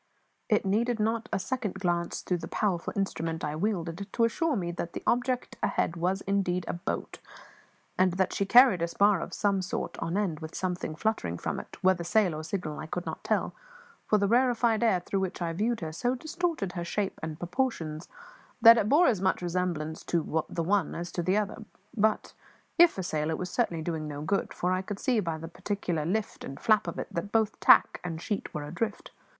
It needed not a second glance through the powerful instrument I wielded to assure me that the object ahead was indeed a boat, and that she carried a spar of some sort on end with something fluttering from it whether sail or signal I could not tell, for the rarefied air through which I viewed her so distorted her shape and proportions that it bore as much resemblance to the one as to the other; but, if a sail, it was certainly doing no good, for I could see by the peculiar lift and flap of it that both tack and sheet were adrift.